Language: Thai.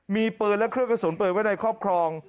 มีปืนและเครื่องกระสุนปืนไว้ในครอบครอง